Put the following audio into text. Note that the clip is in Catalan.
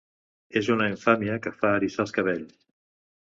És una infàmia que fa eriçar els cabells!